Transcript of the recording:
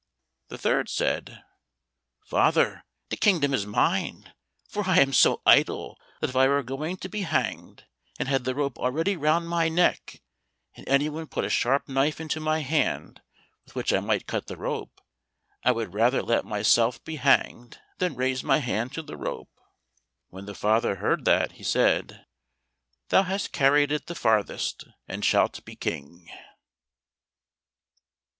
The third said, "Father, the kingdom is mine, for I am so idle that if I were going to be hanged, and had the rope already round my neck, and any one put a sharp knife into my hand with which I might cut the rope, I would rather let myself be hanged than raise my hand to the rope." When the father heard that, he said, "Thou hast carried it the farthest, and shalt be King."